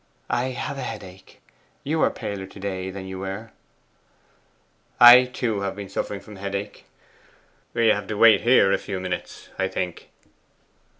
'I have a headache. You are paler to day than you were.' 'I, too, have been suffering from headache. We have to wait here a few minutes, I think.